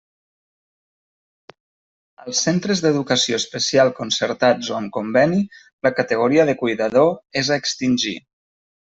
Als centres d'Educació Especial concertats o amb conveni, la categoria de cuidador és a extingir.